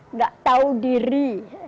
enggak tahu diri